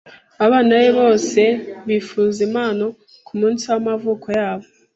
Abana be bose bifuza impano kumunsi wamavuko yabo.